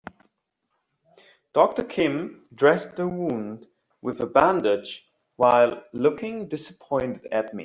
Doctor Kim dressed the wound with a bandage while looking disappointed at me.